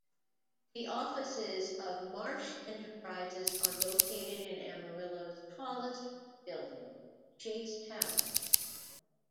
The offices of Marsh Enterprises are located in Amarillo's tallest building, Chase Tower.